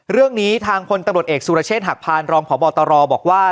เรื่องนี้ทางพลตำรวจเอกสุรเชษฐหักพานรองพบตรบอกว่า